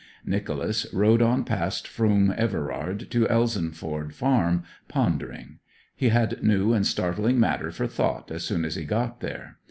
Nicholas rode on past Froom Everard to Elsenford Farm, pondering. He had new and startling matter for thought as soon as he got there.